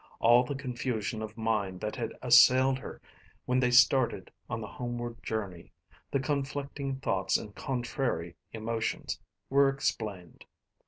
All the confusion of mind that had assailed her when they started on the homeward journey, the conflicting thoughts and contrary emotions, were explained.